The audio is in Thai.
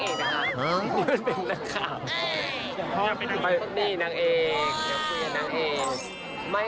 สุดท้ายสุดท้าย